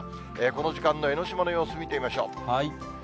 この時間の江の島の様子、見てみましょう。